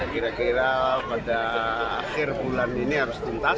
kira kira pada akhir bulan ini harus tuntas